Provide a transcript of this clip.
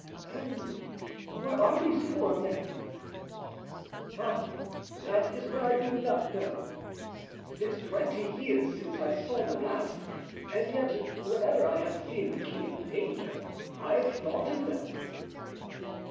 "And where are these four men?" "Ah, that is what I do not know. It is twenty years since I saw them, and yet whenever I have seen the king in danger I have thought of them."